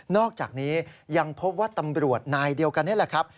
อกจากนี้ยังพบว่าตำรวจนายเดียวกันนี่แหละครับ